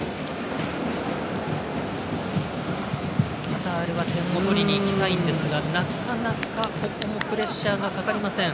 カタールは点を取りにいきたいんですがなかなか、ここもプレッシャーがかかりません。